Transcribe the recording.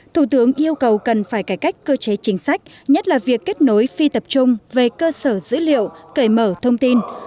thủ tướng yêu cầu cần phải cải cách cơ chế chính sách nhất là việc kết nối phi tập trung về cơ sở dữ liệu cởi mở thông tin